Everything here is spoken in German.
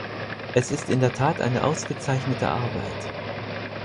Es ist in der Tat eine ausgezeichnete Arbeit.